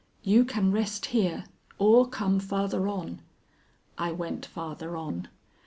You can rest here or come farther on." I went farther on.